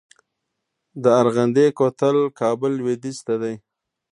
د ارغندې کوتل کابل لویدیځ ته دی